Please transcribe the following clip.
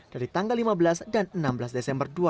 dari tanggal lima belas dan enam belas desember dua ribu dua puluh